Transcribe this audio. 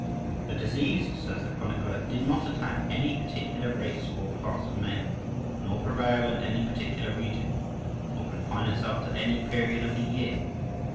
"The disease," says the chronicler, "did not attack any particular race or class of men, nor prevail in any particular region, nor confine itself to any period of the year.